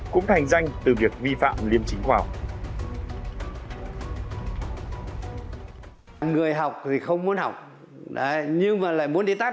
cũng thành danh từ việc vi phạm liêm chính khoa học